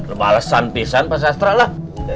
lemah lesan pisan pas astra lah